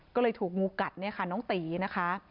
ก็เลยถูกงูกัดเนี่ยค่ะน้องตีนะคะ